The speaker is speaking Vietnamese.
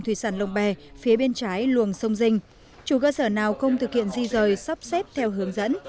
thủy sản lồng bè phía bên trái luồng sông dinh chủ cơ sở nào không thực hiện di rời sắp xếp theo hướng dẫn